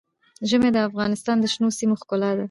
ژمی د افغانستان د شنو سیمو ښکلا ده.